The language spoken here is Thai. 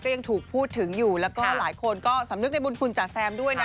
ยังถูกพูดถึงอยู่แล้วก็หลายคนก็สำนึกในบุญคุณจ๋าแซมด้วยนะ